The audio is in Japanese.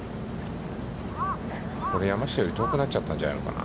これ山下より遠くなっちゃったんじゃないのかな。